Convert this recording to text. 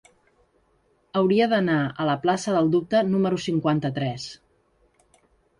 Hauria d'anar a la plaça del Dubte número cinquanta-tres.